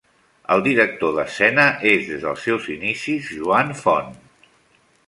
El director d'escena és, des dels seus inicis, Joan Font.